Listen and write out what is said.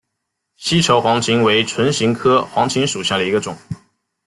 西畴黄芩为唇形科黄芩属下的一个种。